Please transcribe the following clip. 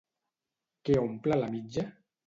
Què omple la mitja?